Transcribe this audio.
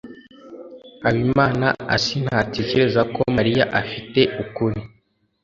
Habimanaasi ntatekereza ko Mariya afite ukuri.